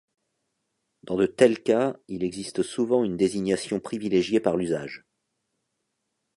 Dans de tels cas, il existe souvent une désignation privilégiée par l'usage.